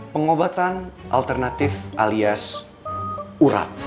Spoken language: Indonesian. pengobatan alternatif alias urat